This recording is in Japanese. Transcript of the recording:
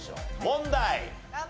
問題。